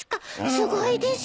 すごいです。